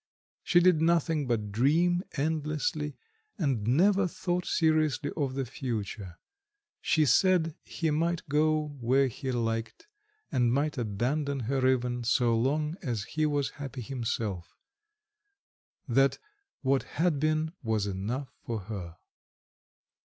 She did nothing but dream endlessly, and never thought seriously of the future; she said he might go where he liked, and might abandon her even, so long as he was happy himself; that what had been was enough for her.